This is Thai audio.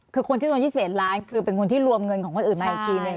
คือคนที่โดน๒๑ล้านคือเป็นคนที่รวมเงินของคนอื่นมาอีกทีนึง